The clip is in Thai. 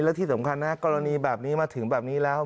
และที่สำคัญนะกรณีแบบนี้มาถึงแบบนี้แล้ว